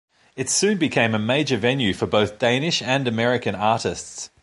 It soon became a major venue for both Danish and American artists.